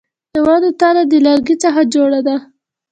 د ونې تنه د لرګي څخه جوړه ده